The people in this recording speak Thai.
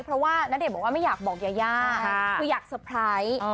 เพราะว่าณเดชน์บอกว่าไม่อยากบอกยายาคืออยากเตอร์ไพรส์